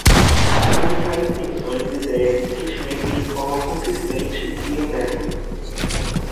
Comunicar intenções, idéias e sentimentos de forma consistente e honesta.